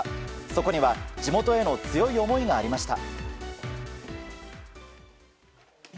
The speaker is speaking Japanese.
そこには地元への強い思いがありました。